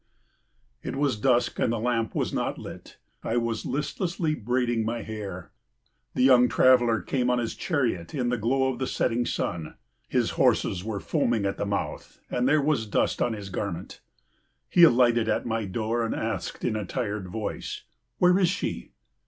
It was dusk and the lamp was not lit. I was listlessly braiding my hair. The young traveller came on his chariot in the glow of the setting sun. His horses were foaming at the mouth, and there was dust on his garment. He alighted at my door and asked in a tired voice, "Where is she?"